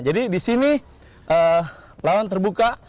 jadi di sini lawan terbuka